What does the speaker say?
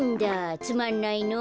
つまんないの。